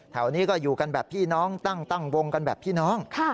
แถวนี้ก็อยู่กันแบบพี่น้องตั้งวงกันแบบพี่น้อง